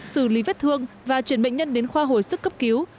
xử lý vết thương và chuyển bệnh nhân đến khoa hồi sức cấp cứu